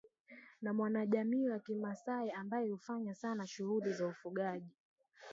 na mwanajamii wa kimasai ambae hufanya Sana shughuli za ufugaji